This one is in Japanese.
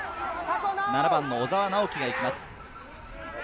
７番の小澤直輝がいきます。